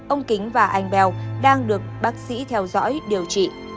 ông kính và anh bèo đang được bác sĩ theo dõi điều trị